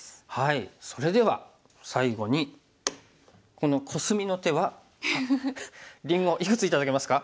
それでは最後にこのコスミの手はりんごいくつ頂けますか？